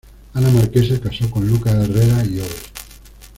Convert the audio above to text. Ana Marquesa casó con Lucas Herrera y Obes.